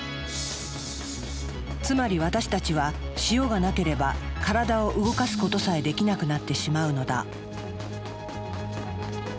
つまり私たちは塩がなければ体を動かすことさえできなくなってしまうのだ。